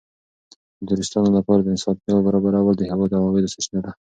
د توریستانو لپاره د اسانتیاوو برابرول د هېواد د عوایدو سرچینه ده.